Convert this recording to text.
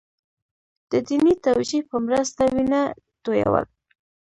د دیني توجیه په مرسته وینه تویول.